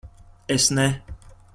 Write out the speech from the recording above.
Es ne...